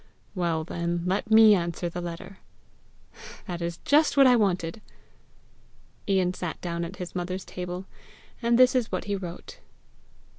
"Well, then, let me answer the letter." "That is just what I wanted!" Ian sat down at his mother's table, and this is what he wrote.